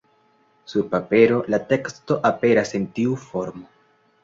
Sur papero la teksto aperas en tiu formo.